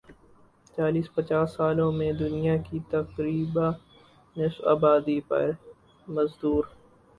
چالیس پچاس سالوں میں دنیا کی تقریبا نصف آبادی پر مزدور